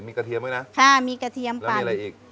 มีกระเทียมไหมนะแล้วมีอะไรอีกยังมีกระเทียมปั่น